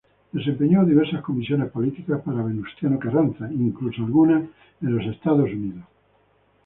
Desempeñó diversas comisiones políticas para Venustiano Carranza, incluso algunas en Estados Unidos.